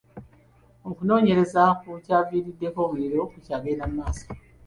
Okunoonyereza ku kyaviiriddeko omuliro kukyagenda mu maaso.